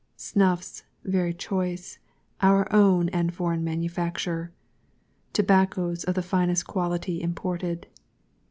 SNUFFS, very choice, our own and Foreign Manufacture. TOBACCOS, of the finest quality imported.